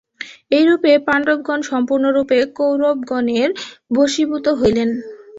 এইরূপে পাণ্ডবগণ সম্পূর্ণরূপে কৌরবগণের বশীভূত হইলেন।